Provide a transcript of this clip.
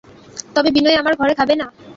তবে বিনয় আমার ঘরে খাবে না?